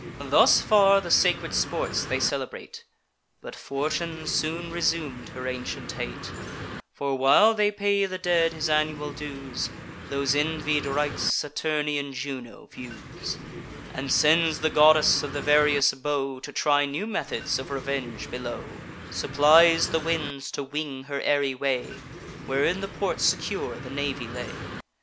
Thus far the sacred sports they celebrate: But Fortune soon resum'd her ancient hate; For, while they pay the dead his annual dues, Those envied rites Saturnian Juno views; And sends the goddess of the various bow, To try new methods of revenge below; Supplies the winds to wing her airy way, Where in the port secure the navy lay.